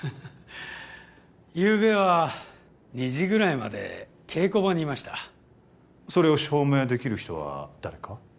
ゆうべは２時ぐらいまで稽古場にいましたそれを証明できる人は誰か？